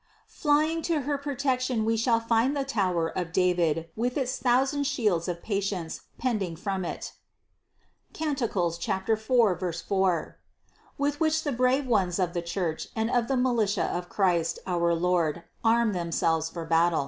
Flying to her protection we shall find the tower of David with its thousand shields of patience pending from it (Cant. 4, 4), with which the brave ones of the Church and of the militia of Christ our Lord arm themselves for battle.